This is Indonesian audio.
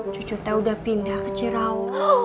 cucutnya udah pindah ke cirao